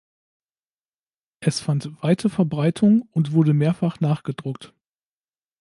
Es fand weite Verbreitung und wurde mehrfach nachgedruckt.